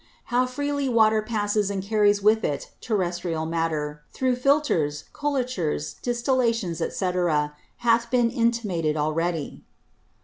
How freely Water passes and carries with it Terrestrial Matter, through Filtres, Colatures, Distillations, &c. hath been intimated already.